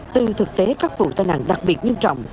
từ thực tế các vụ tai nạn đặc biệt nghiêm trọng